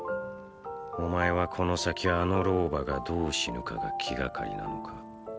お前はこの先あの老婆がどう死ぬかが気がかりなのか？